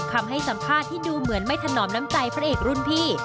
คำให้สัมภาษณ์ที่ดูเหมือนไม่ถนอมน้ำใจพระเอกรุ่นพี่